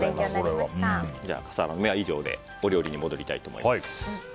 笠原の眼は以上でお料理に戻りたいと思います。